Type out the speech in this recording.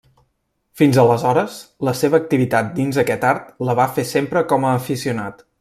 Fins aleshores, la seva activitat dins aquest art la va fer sempre com a aficionat.